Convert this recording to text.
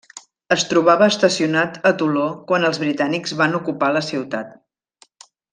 Es trobava estacionat a Toló quan els britànics van ocupar la ciutat.